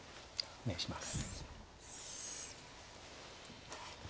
お願いします。